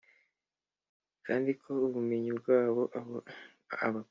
kandi ko ubumenyi bwabo abakunda